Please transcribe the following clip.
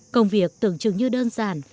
công việc tưởng chừng như đơn giản